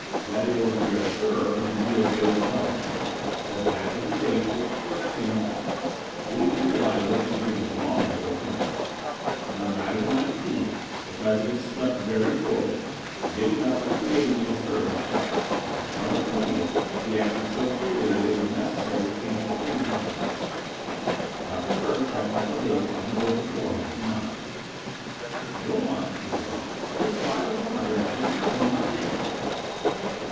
"That is, we are sure, in view of later developments, that that was the date it first came on. We didn't realize that anything was wrong until the twentieth. On the night of the nineteenth the President slept very poorly, getting up and creating a disturbance twice, and on the twentieth he acted so queerly that it was necessary to cancel three conferences." Dr. Bird checked off the dates on the book before him and nodded. "Go on," he said, "and describe the progress of the malady by days."